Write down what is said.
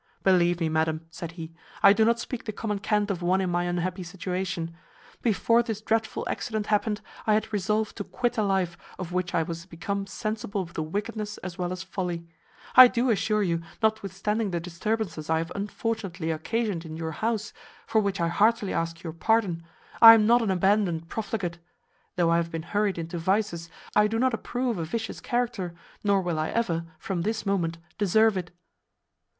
"Believe me, madam," said he, "I do not speak the common cant of one in my unhappy situation. Before this dreadful accident happened, I had resolved to quit a life of which I was become sensible of the wickedness as well as folly. I do assure you, notwithstanding the disturbances I have unfortunately occasioned in your house, for which I heartily ask your pardon, I am not an abandoned profligate. Though I have been hurried into vices, I do not approve a vicious character, nor will I ever, from this moment, deserve it."